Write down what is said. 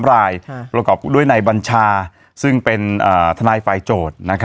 รายประกอบด้วยนายบัญชาซึ่งเป็นทนายฝ่ายโจทย์